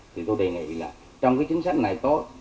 thì tôi đề nghị là trong cái chính sách này tốt